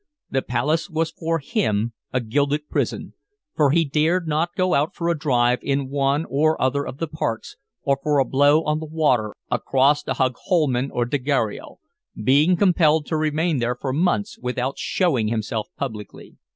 The palace was for him a gilded prison, for he dared not go out for a drive in one or other of the parks or for a blow on the water across to Hogholmen or Dagero, being compelled to remain there for months without showing himself publicly.